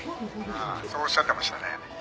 「ああそうおっしゃってましたね」